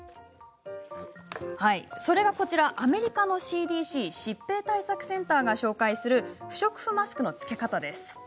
それが、こちらアメリカのＣＤＣ疾病対策センターが紹介する不織布マスクの着け方です。